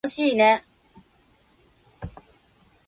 お昼ご飯は抜きました。